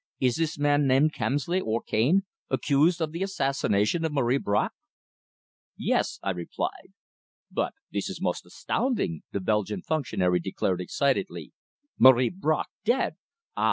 "Is this man named Kemsley, or Cane, accused of the assassination of Marie Bracq?" "Yes," I replied. "But this is most astounding," the Belgian functionary declared excitedly. "Marie Bracq dead! Ah!